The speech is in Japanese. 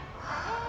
ああ